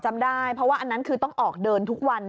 จำได้เพราะว่าอันนั้นคือต้องออกเดินทุกวัน